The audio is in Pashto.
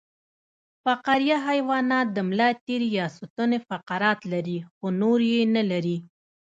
فقاریه حیوانات د ملا تیر یا ستون فقرات لري خو نور یې نلري